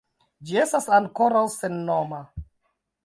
Ĝi estas ankoraŭ sennoma.